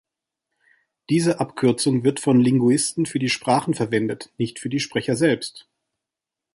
Diese Abkürzung wird von Linguisten für die Sprachen verwendet, nicht für die Sprecher selbst.